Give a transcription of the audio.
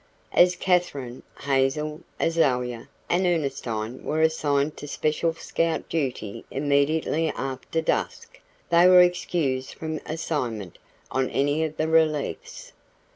As Katherine, Hazel, Azalia, and Ernestine were assigned to special scout duty immediately after dusk, they were excused from assignment on any of the reliefs.